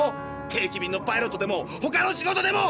定期便のパイロットでもほかの仕事でも！